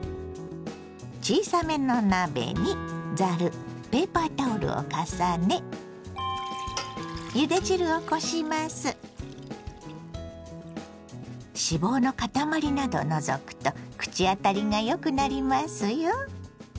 小さめの鍋にざるペーパータオルを重ね脂肪の塊などを除くと口当たりがよくなりますよ。